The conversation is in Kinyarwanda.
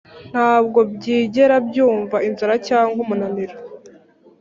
Nta bwo byigera byumva inzara cyangwa umunaniro,